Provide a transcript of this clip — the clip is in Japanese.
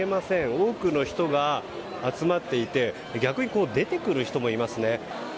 多くの人が集まっていて逆に出てくる人もいますね。